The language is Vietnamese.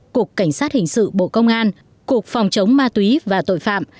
cục cảnh sát hình sự bộ công an cục phòng chống ma túy và tội phạm